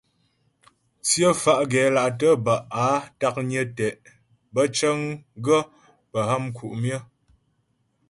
Tsyə fá́ gɛla'tə bə́ á taknyə tɛ', bə́ cəŋgaə́ pə́ ha mku' myə.